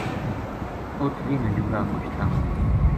اُت ویہ ننجوڑا مُچ تنگ ہو گیا